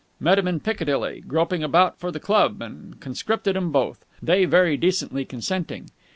Met 'em in Piccadilly, groping about for the club, and conscripted 'em both, they very decently consenting.